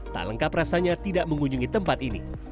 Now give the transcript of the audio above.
tak lengkap rasanya tidak mengunjungi tempat ini